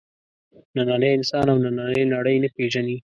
نننی انسان او نننۍ نړۍ نه پېژني.